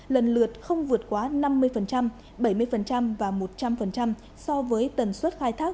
lần lượt không vượt quá năm mươi bảy mươi và một trăm linh so với tần suất khai thác